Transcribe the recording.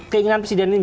keinginan presiden ini